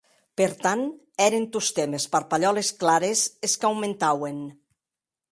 Per tant, èren tostemp es parpalhòles clares es qu'aumentauen.